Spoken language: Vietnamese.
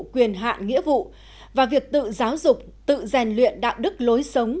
quyền hạn nghĩa vụ và việc tự giáo dục tự rèn luyện đạo đức lối sống